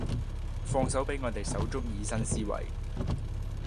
放手畀我哋手足以新思維